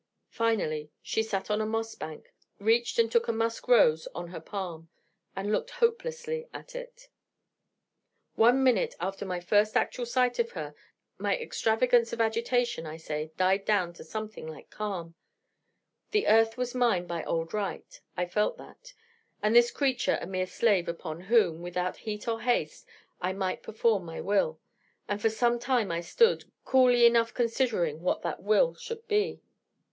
Finally, she sat on a moss bank, reached and took a musk rose on her palm, and looked hopelessly at it. One minute after my first actual sight of her my extravagance of agitation, I say, died down to something like calm. The earth was mine by old right: I felt that: and this creature a mere slave upon whom, without heat or haste, I might perform my will: and for some time I stood, coolly enough considering what that will should be.